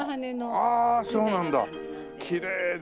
ああそうなんだ。